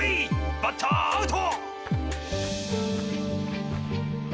バッターアウト！